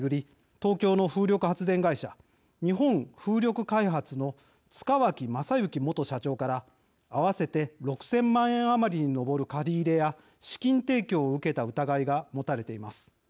東京の風力発電会社日本風力開発の塚脇正幸元社長から合わせて６０００万円余りに上る借り入れや資金提供を受けた疑いがもたれています。